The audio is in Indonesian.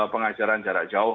pengajaran jarak jauh